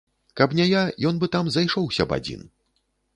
Каб не я, ён бы там зайшоўся б адзін.